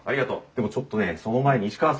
でもちょっとねその前に石川さん